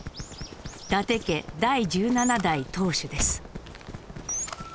伊達家第１７代当主です。